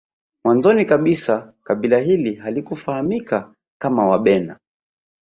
Mwanzoni kabisa kabila hili halikufahamika kama Wabena